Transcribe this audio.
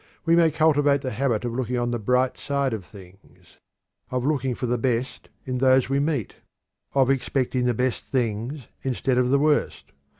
We may cultivate the habit of looking on the bright side of things; of looking for the best in those we meet; of expecting the best things instead of the worst.